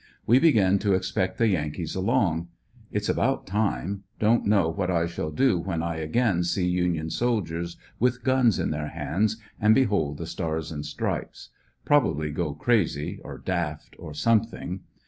We begin to expect the Yankees along. It's about time. Don't know what I shall do when I again see Union soldiers with guns in their hands, and behold the Stars and Stripes. Probably go crazy, or daft, or something.